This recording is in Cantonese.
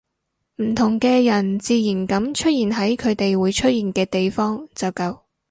唔同嘅人自然噉出現喺佢哋會出現嘅地方就夠